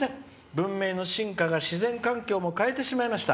文明の変化が自然環境も変えてしまいました。